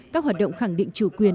các hoạt động khẳng định chủ quyền